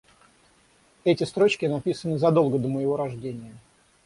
Эти строчки написаны задолго до моего рождения.